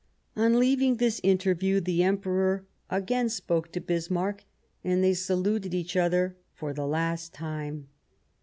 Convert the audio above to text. On leaving this interview the Emperor again spoke to Bismarck, and they saluted each other for the last time.